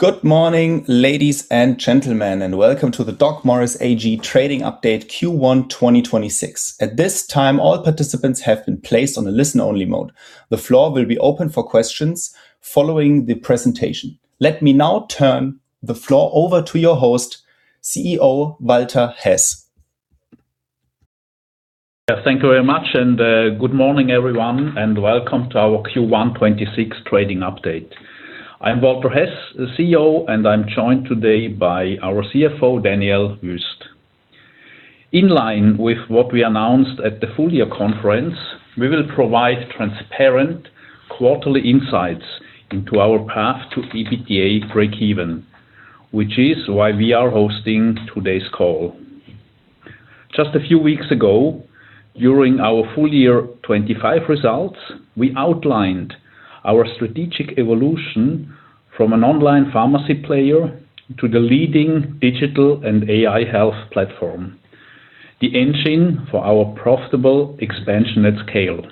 Good morning, ladies and gentlemen, and welcome to the DocMorris AG trading update Q1 2026. At this time, all participants have been placed on a listen-only mode. The floor will be open for questions following the presentation. Let me now turn the floor over to your host, CEO Walter Hess. Thank you very much and good morning, everyone, and welcome to our Q1 2026 trading update. I'm Walter Hess, the CEO, and I'm joined today by our CFO, Daniel Wüest. In line with what we announced at the full year conference, we will provide transparent quarterly insights into our path to EBITDA breakeven, which is why we are hosting today's call. Just a few weeks ago, during our full year 2025 results, we outlined our strategic evolution from an online pharmacy player to the leading digital and AI health platform, the engine for our profitable expansion at scale.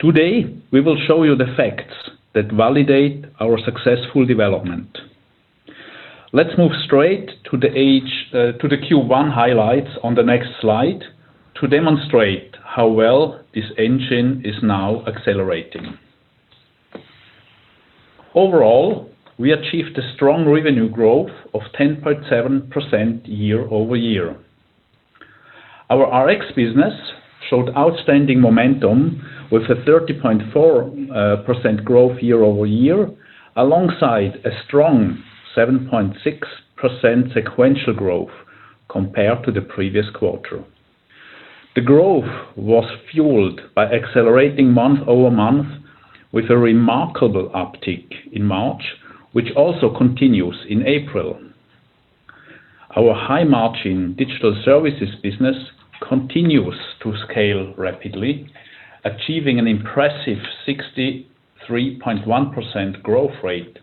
Today, we will show you the facts that validate our successful development. Let's move straight to the Q1 highlights on the next slide to demonstrate how well this engine is now accelerating. Overall, we achieved a strong revenue growth of 10.7% year-over-year. Our Rx business showed outstanding momentum with a 30.4% growth year-over-year, alongside a strong 7.6% sequential growth compared to the previous quarter. The growth was fueled by accelerating month-over-month with a remarkable uptick in March, which also continues in April. Our high margin digital services business continues to scale rapidly, achieving an impressive 63.1% growth rate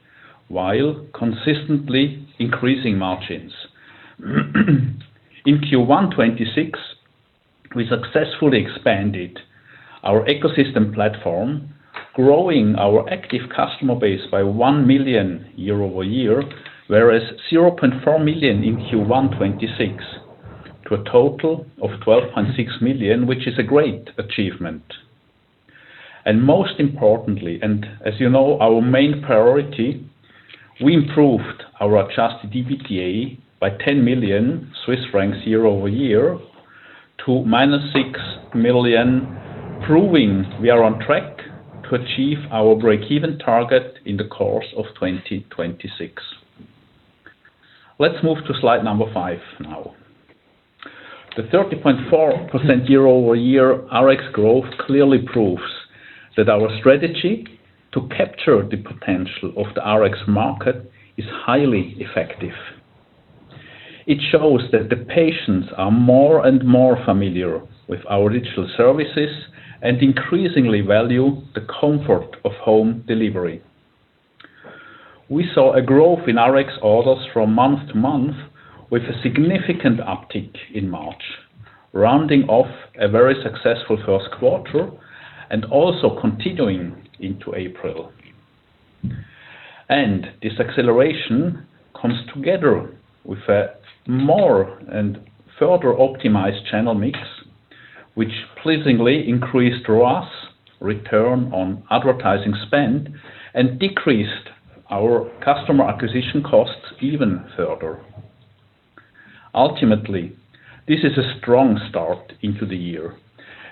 while consistently increasing margins. In Q1 2026, we successfully expanded our ecosystem platform, growing our active customer base by 1 million year-over-year, with 0.4 million in Q1 2026 to a total of 12.6 million, which is a great achievement. Most importantly, and as you know, our main priority, we improved our Adjusted EBITDA by 10 million Swiss francs year-over-year to -6 million, proving we are on track to achieve our breakeven target in the course of 2026. Let's move to slide number five now. The 30.4% year-over-year Rx growth clearly proves that our strategy to capture the potential of the Rx market is highly effective. It shows that the patients are more and more familiar with our digital services and increasingly value the comfort of home delivery. We saw a growth in Rx orders from month-to-month with a significant uptick in March, rounding off a very successful first quarter and also continuing into April. This acceleration comes together with a more and further optimized channel mix, which pleasingly increased ROAS, return on advertising spend, and decreased our customer acquisition costs even further. Ultimately, this is a strong start into the year,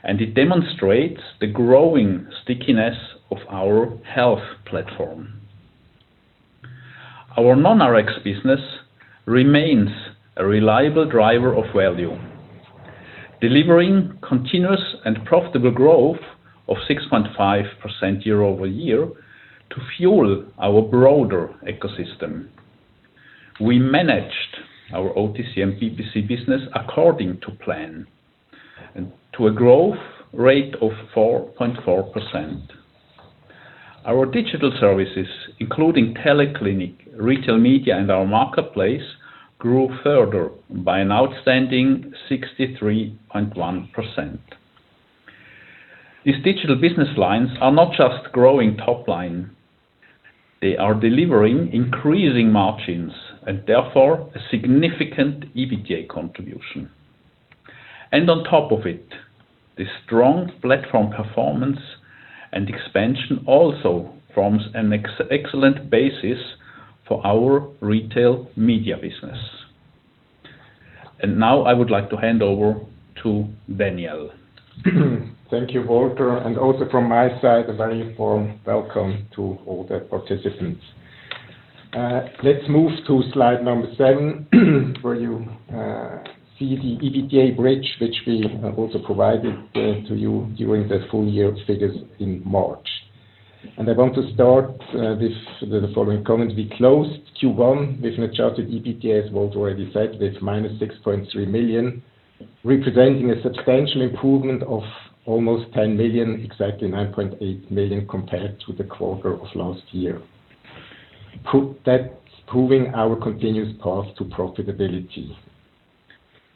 and it demonstrates the growing stickiness of our health platform. Our non-Rx business remains a reliable driver of value, delivering continuous and profitable growth of 6.5% year-over-year to fuel our broader ecosystem. We managed our OTC and BPC business according to plan and to a growth rate of 4.4%. Our digital services, including TeleClinic, retail media, and our marketplace, grew further by an outstanding 63.1%. These digital business lines are not just growing top line. They are delivering increasing margins and therefore a significant EBITDA contribution. On top of it, this strong platform performance and expansion also forms an excellent basis for our retail media business. Now I would like to hand over to Daniel. Thank you, Walter, and also from my side, a very warm welcome to all the participants. Let's move to slide number 7 where you see the EBITDA bridge, which we also provided to you during the full year figures in March. I want to start with the following comments. We closed Q1 with an Adjusted EBITDA, as Walter already said, with -6.3 million, representing a substantial improvement of almost 10 million, exactly 9.8 million, compared to the quarter of last year. Proving our continuous path to profitability.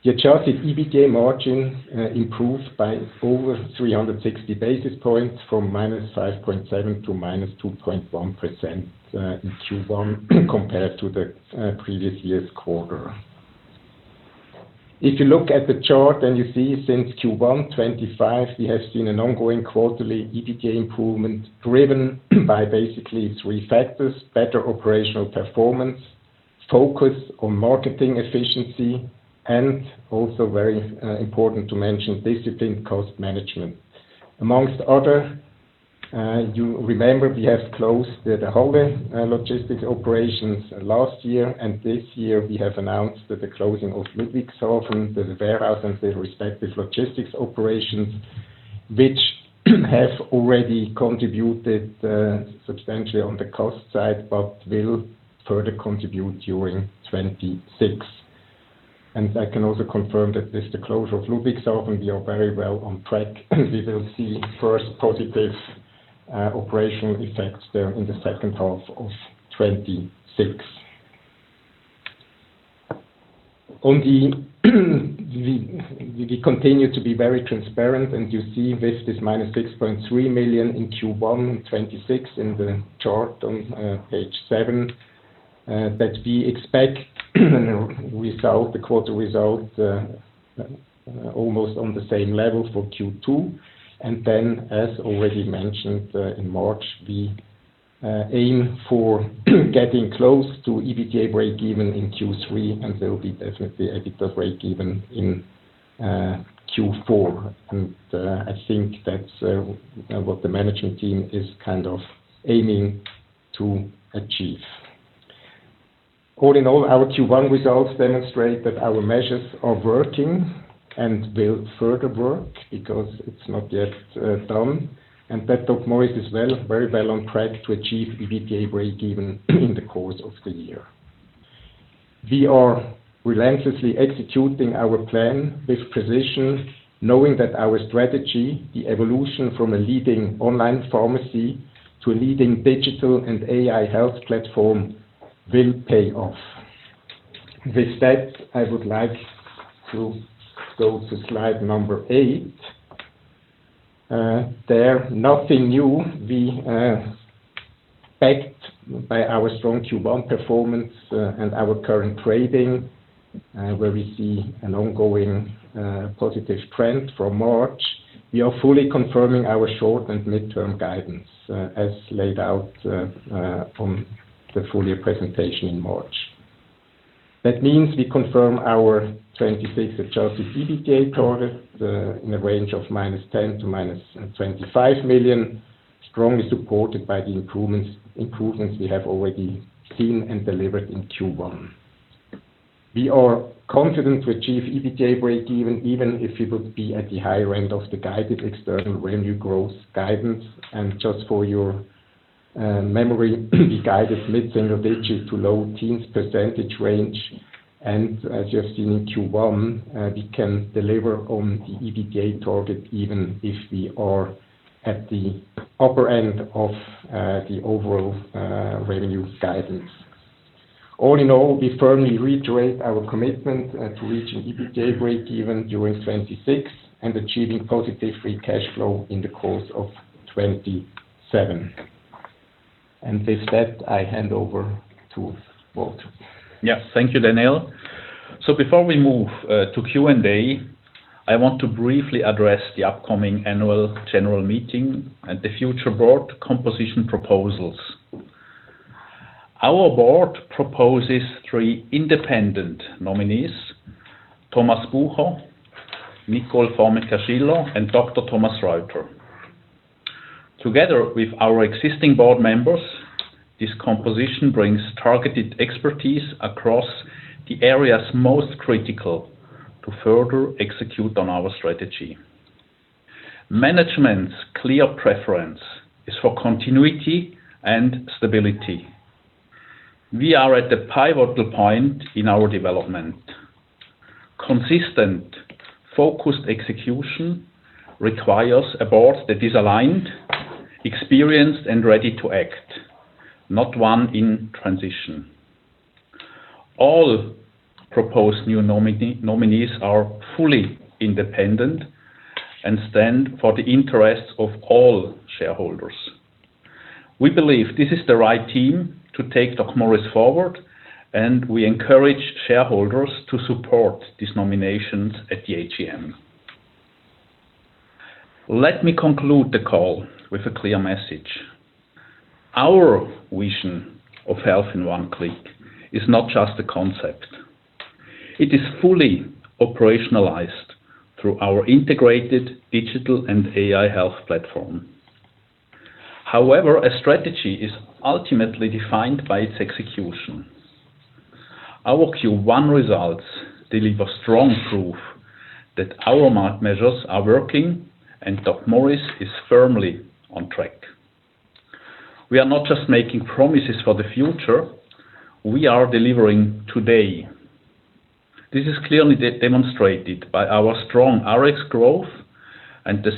The Adjusted EBITDA margin improved by over 360 basis points from -5.7% to -2.1% in Q1 compared to the previous year's quarter. If you look at the chart and you see since Q1 2025, we have seen an ongoing quarterly EBITDA improvement driven by basically three factors, better operational performance, focus on marketing efficiency, and also very important to mention, disciplined cost management. Among other, you remember we have closed the Holland logistics operations last year, and this year we have announced the closing of Ludwigshafen, the warehouse, and the respective logistics operations, which have already contributed substantially on the cost side but will further contribute during 2026. I can also confirm that with the closure of Ludwigshafen, we are very well on track. We will see first positive operational effects there in the second half of 2026. We continue to be very transparent and you see this is -6.3 million in Q1 2026 in the chart on page 7, that we expect the quarter result almost on the same level for Q2. As already mentioned, in March, we aim for getting close to EBITDA breakeven in Q3, and there will be definitely EBITDA breakeven in Q4. I think that's what the management team is kind of aiming to achieve. All in all, our Q1 results demonstrate that our measures are working and will further work because it's not yet done, that DocMorris is well, very well on track to achieve EBITDA breakeven in the course of the year. We are relentlessly executing our plan with precision, knowing that our strategy, the evolution from a leading online pharmacy to a leading digital and AI health platform, will pay off. With that, I would like to go to slide number eight. There's nothing new. We are backed by our strong Q1 performance, and our current trading, where we see an ongoing positive trend from March. We are fully confirming our short and midterm guidance as laid out from the full year presentation in March. That means we confirm our 2026 Adjusted EBITDA target in the range of -10 million to -25 million, strongly supported by the improvements we have already seen and delivered in Q1. We are confident to achieve EBITDA breakeven even if it would be at the higher end of the guided external revenue growth guidance. Just for your memory, the guided mid-single digits to low teens % range. As you have seen in Q1, we can deliver on the EBITDA target even if we are at the upper end of the overall revenue guidance. All in all, we firmly reiterate our commitment to reaching EBITDA breakeven during 2026 and achieving positive free cash flow in the course of 2027. With that, I hand over to Walter. Yes. Thank you, Daniel. Before we move to Q&A, I want to briefly address the upcoming annual general meeting and the future board composition proposals. Our board proposes three independent nominees, Thomas Bucher, Nicole Formica-Schiller, and Dr. Thomas Reutter. Together with our existing board members, this composition brings targeted expertise across the areas most critical to further execute on our strategy. Management's clear preference is for continuity and stability. We are at the pivotal point in our development. Consistent, focused execution requires a board that is aligned, experienced, and ready to act, not one in transition. All proposed new nominees are fully independent and stand for the interests of all shareholders. We believe this is the right team to take DocMorris forward, and we encourage shareholders to support these nominations at the AGM. Let me conclude the call with a clear message. Our vision of health in one click is not just a concept. It is fully operationalized through our integrated digital and AI health platform. However, a strategy is ultimately defined by its execution. Our Q1 results deliver strong proof that our measures are working and DocMorris is firmly on track. We are not just making promises for the future, we are delivering today. This is clearly demonstrated by our strong Rx growth and the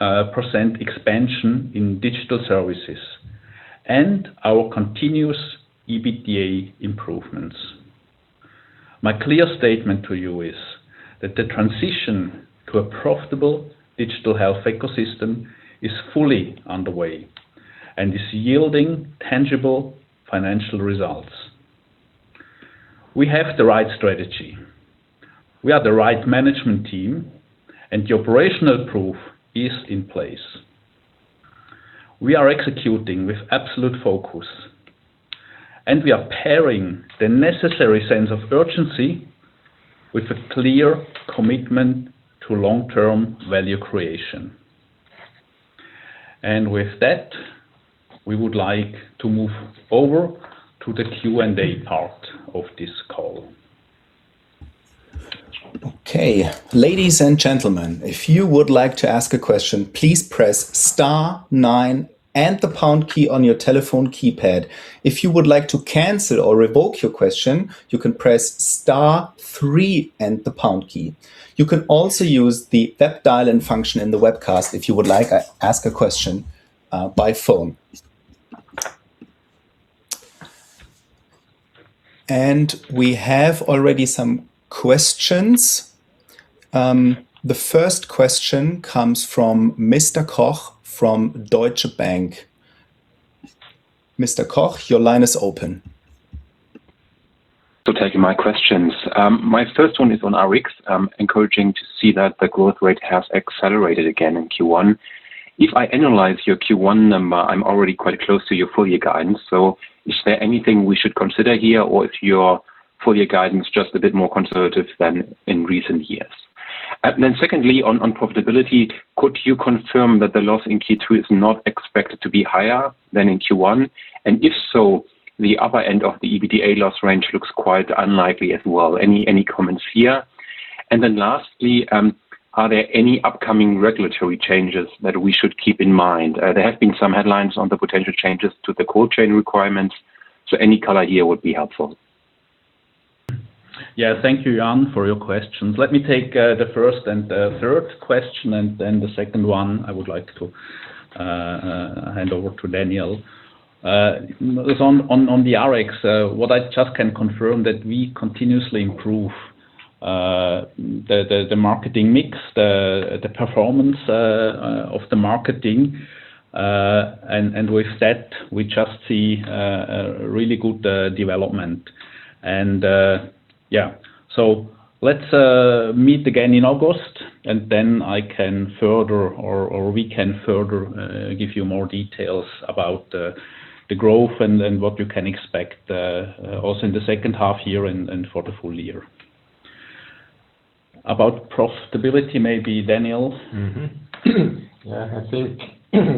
63% expansion in digital services and our continuous EBITDA improvements. My clear statement to you is that the transition to a profitable digital health ecosystem is fully underway and is yielding tangible financial results. We have the right strategy, we are the right management team, and the operational proof is in place. We are executing with absolute focus, and we are pairing the necessary sense of urgency with a clear commitment to long-term value creation. With that, we would like to move over to the Q&A part of this call. Okay. Ladies and gentlemen, if you would like to ask a question, please press star nine and the pound key on your telephone keypad. If you would like to cancel or revoke your question, you can press star three and the pound key. You can also use the web dial-in function in the webcast if you would like to ask a question by phone. We have already some questions. The first question comes from Mr. Koch from Deutsche Bank. Mr. Koch, your line is open. Thank you. My questions. My first one is on Rx. Encouraging to see that the growth rate has accelerated again in Q1. If I analyze your Q1 number, I'm already quite close to your full year guidance. Is there anything we should consider here, or is your full year guidance just a bit more conservative than in recent years? Then secondly, on profitability, could you confirm that the loss in Q2 is not expected to be higher than in Q1? And if so, the upper end of the EBITDA loss range looks quite unlikely as well. Any comments here? Then lastly, are there any upcoming regulatory changes that we should keep in mind? There have been some headlines on the potential changes to the cold chain requirements, so any color here would be helpful. Yeah. Thank you, Jan, for your questions. Let me take the first and third question, and then the second one I would like to hand over to Daniel. On the Rx, what I just can confirm that we continuously improve the marketing mix, the performance of the marketing, and with that, we just see really good development. Yeah. Let's meet again in August, and then I can further or we can further give you more details about the growth and what you can expect also in the second half year and for the full year. About profitability, maybe Daniel. Yeah, I think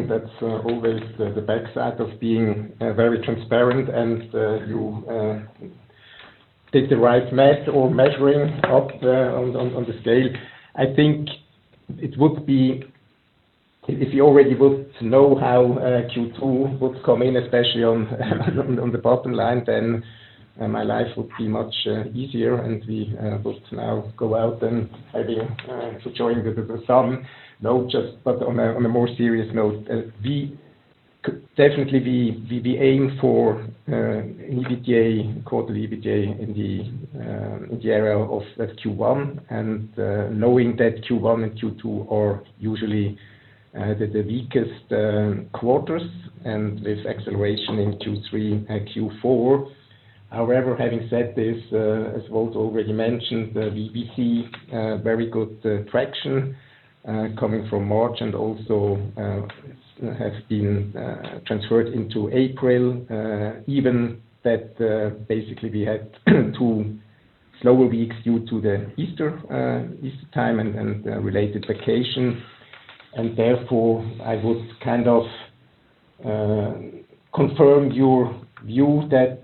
that's always the downside of being very transparent and you did the right math or measuring up on the scale. I think if you already would know how Q2 would come in, especially on the bottom line, then my life would be much easier and we would now go out and maybe join in with the fun. No, but on a more serious note, we could definitely be aiming for quarterly EBITDA in the area of Q1, knowing that Q1 and Q2 are usually the weakest quarters and with acceleration in Q3 and Q4. However, having said this, as Walter already mentioned, we see very good traction coming from March and also has been transferred into April. Even so, basically we had two slower weeks due to the Easter time and related vacation. Therefore, I would kind of confirm your view that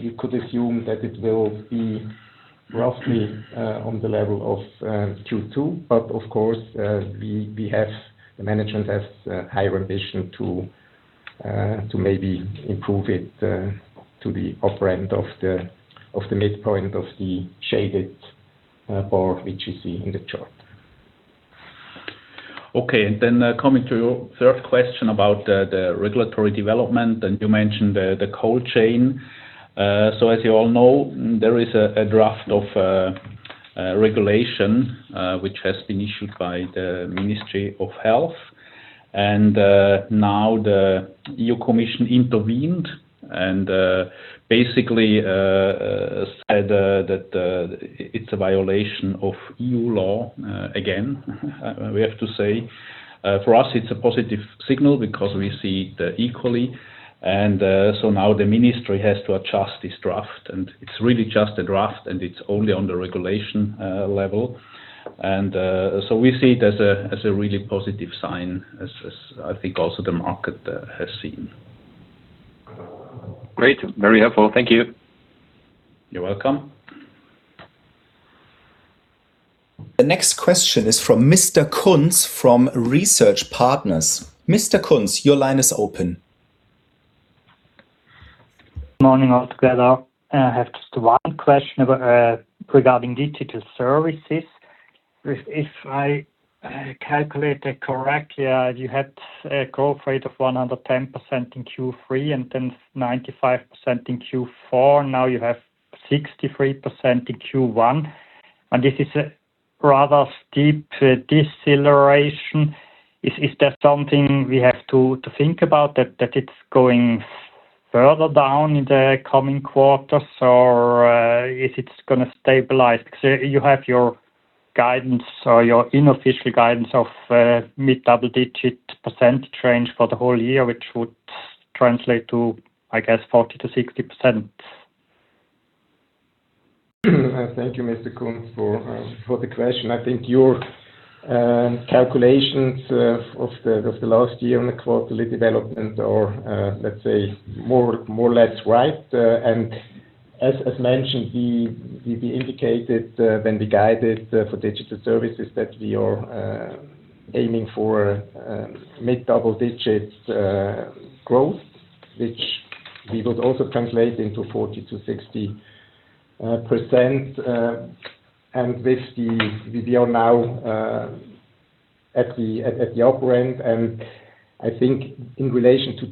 you could assume that it will be roughly on the level of Q2. Of course, the management has high ambition to maybe improve it to the upper end of the midpoint of the shaded bar, which you see in the chart. Okay. Then coming to your third question about the regulatory development, and you mentioned the cold chain. As you all know, there is a draft of regulation, which has been issued by the Ministry of Health. Now the EU Commission intervened and basically said that it's a violation of EU law, again, we have to say. For us it's a positive signal because we see it equally. Now the Ministry has to adjust this draft, and it's really just a draft and it's only on the regulation level. We see it as a really positive sign as I think also the market has seen. Great. Very helpful. Thank you. You're welcome. The next question is from Mr. Kunz from Research Partners. Mr. Kunz, your line is open. Morning altogether. I have just one question regarding digital services. If I calculated correctly, you had a growth rate of 110% in Q3 and then 95% in Q4. Now you have 63% in Q1, and this is a rather steep deceleration. Is that something we have to think about, that it's going further down in the coming quarters, or is it going to stabilize? Because you have your guidance or your unofficial guidance of mid-double-digit % change for the whole year, which would translate to, I guess, 40%-60%. Thank you, Mr. Kunz, for the question. I think your calculations of the last year on the quarterly development are, let's say, more or less right. As mentioned, we indicated when we guided for digital services that we are aiming for mid-double-digit growth, which we would also translate into 40%-60%, and we are now at the upper end. I think in relation to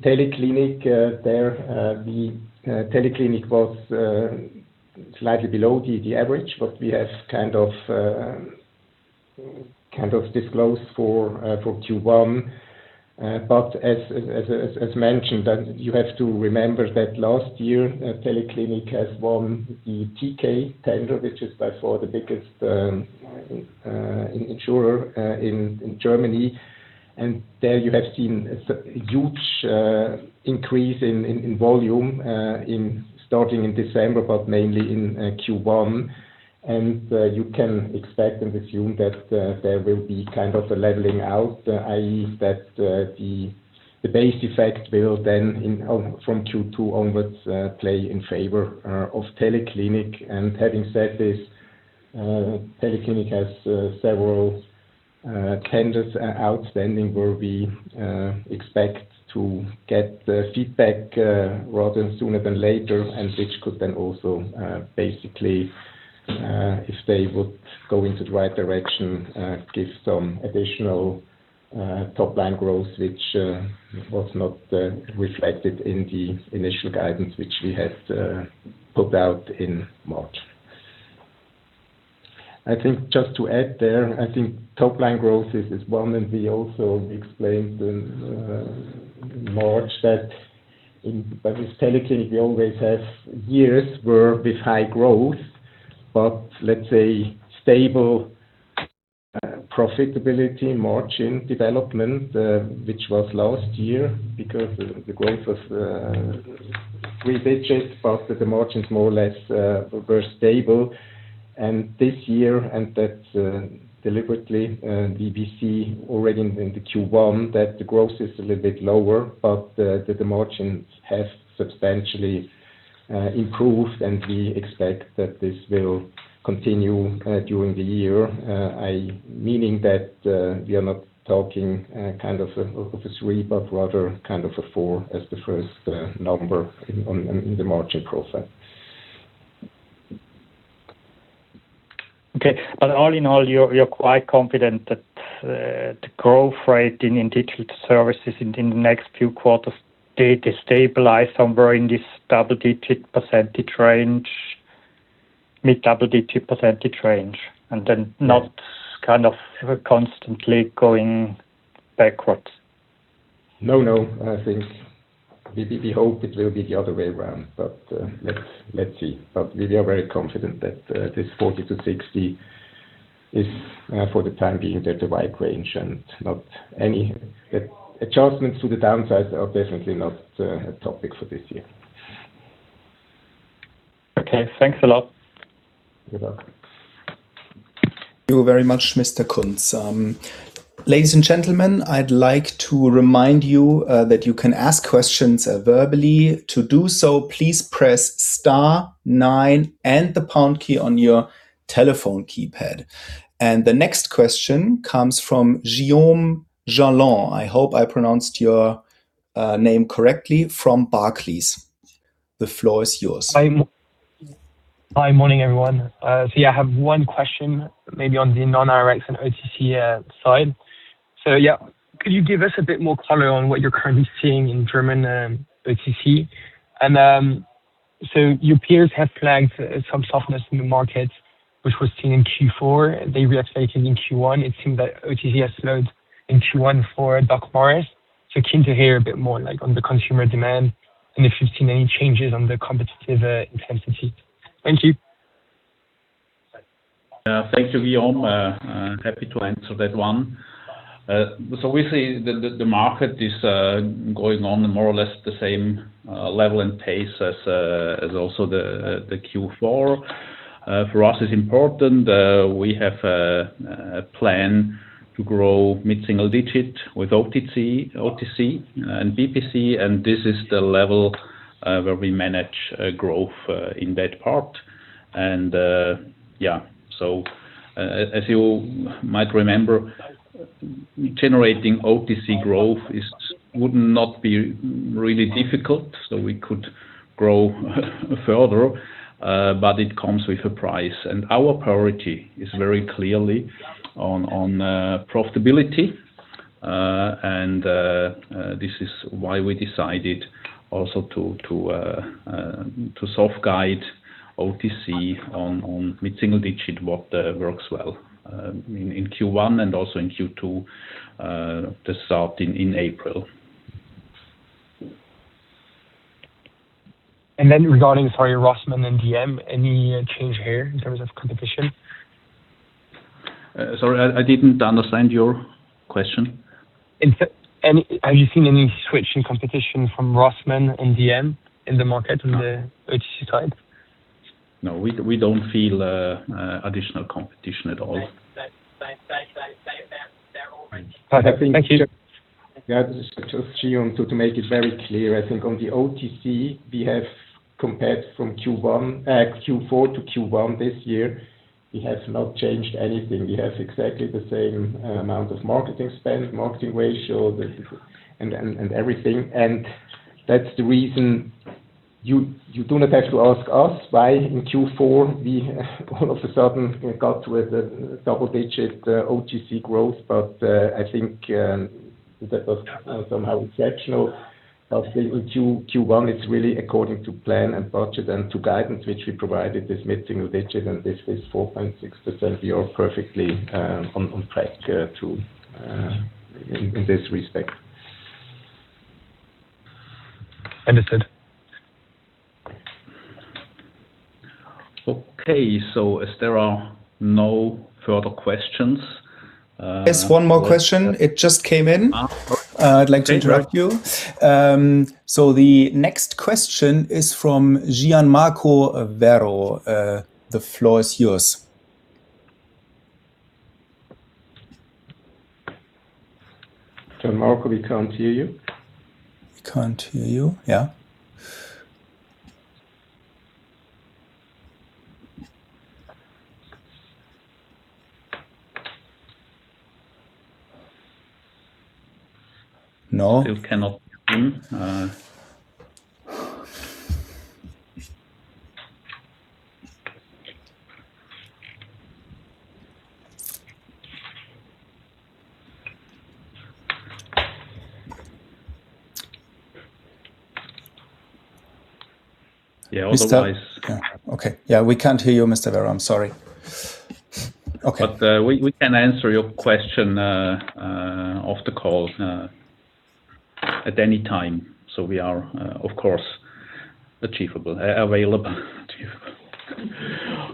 TeleClinic was slightly below the average, but we have kind of disclosed for Q1. As mentioned, you have to remember that last year, TeleClinic has won the TK tender, which is by far the biggest insurer in Germany. There you have seen a huge increase in volume starting in December, but mainly in Q1. You can expect and assume that there will be kind of a leveling out, i.e., that the base effect will then, from Q2 onwards, play in favor of TeleClinic. Having said this, TeleClinic has several tenders outstanding where we expect to get the feedback rather sooner than later, and which could then also basically, if they would go into the right direction, give some additional top-line growth, Which was not reflected in the initial guidance which we had put out in March. I think just to add there, I think top-line growth is one, and we also explained in March that with TeleClinic, we always have years with high growth, but let's say stable profitability margin development, which was last year because the growth was three digits, but the margins more or less were stable. This year, and that deliberately, we see already in the Q1 that the growth is a little bit lower, but that the margins have substantially improved and we expect that this will continue during the year, meaning that we are not talking kind of a 3%, but rather kind of a 4% as the first number in the margin profile. Okay. All in all, you're quite confident that the growth rate in digital services in the next few quarters, they stabilize somewhere in this double-digit % range, mid-double-digit % range, and then not kind of constantly going backwards. No, I think. We hope it will be the other way around. Let's see. We are very confident that this 40%-60% is, for the time being, that the right range, and any adjustments to the downside are definitely not a topic for this year. Okay. Thanks a lot. You're welcome. Thank you very much, Mr. Kunz. Ladies and gentlemen, I'd like to remind you that you can ask questions verbally. To do so, please press star nine and the pound key on your telephone keypad. The next question comes from Guillaume Jaillon. I hope I pronounced your name correctly, from Barclays. The floor is yours. Hi. Morning, everyone. I have one question maybe on the non-Rx and OTC side. Yeah, could you give us a bit more color on what you're currently seeing in German OTC? Your peers have flagged some softness in the market, which was seen in Q4. They re-accelerated in Q1. It seemed that OTC has slowed in Q1 for DocMorris. Keen to hear a bit more on the consumer demand and if you've seen any changes on the competitive intensity. Thank you. Thank you, Guillaume. Happy to answer that one. We see the market is going on in more or less the same level and pace as also the Q4. For us, it's important, we have a plan to grow mid-single-digit with OTC and BPC, and this is the level where we manage growth in that part. Yeah, so as you might remember Generating OTC growth would not be really difficult. We could grow further, but it comes with a price. Our priority is very clearly on profitability, and this is why we decided also to soft guide OTC on mid-single digit, which works well in Q1 and also in Q2 to start in April. Regarding, sorry, Rossmann and dm, any change here in terms of competition? Sorry, I didn't understand your question. Have you seen any switch in competition from Rossmann and DM in the market, on the OTC side? No, we don't feel additional competition at all. Thank you. Yeah, this is Christoph Herrmann. To make it very clear, I think on the OTC, we have compared from Q4 to Q1 this year, we have not changed anything. We have exactly the same amount of marketing spend, marketing ratio, and everything. That's the reason you do not have to ask us why in Q4, we all of a sudden got to a double-digit OTC growth. I think that was somehow exceptional. Obviously with Q1, it's really according to plan and budget and to guidance, which we provided, this mid-single digit, and this is 4.6%. We are perfectly on track too in this respect. Understood. Okay. As there are no further questions. Yes, one more question. It just came in. Ah. I'd like to interrupt you. The next question is from Gian Marco Werro. The floor is yours. Gian Marco, we can't hear you. We can't hear you, yeah. No. Still cannot. Okay. Yeah, we can't hear you, Mr. Werro. I'm sorry. Okay. We can answer your question off the call at any time. We are, of course, available.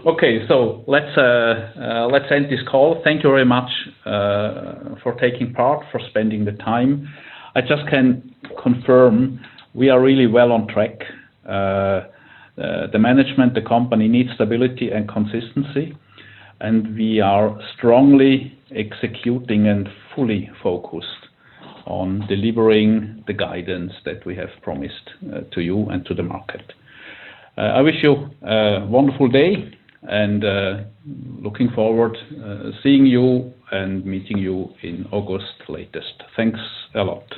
Okay, let's end this call. Thank you very much for taking part, for spending the time. I just can confirm we are really well on track. The management, the company needs stability and consistency, and we are strongly executing and fully focused on delivering the guidance that we have promised to you and to the market. I wish you a wonderful day and looking forward seeing you and meeting you in August latest. Thanks a lot.